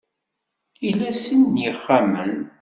Ila sin n yixxamen.